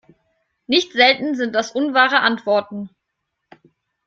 Nicht selten sind das unwahre Antworten.